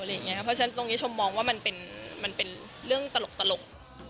เพราะฉะนั้นตรงนี้ชมมองว่ามันเป็นเรื่องตลก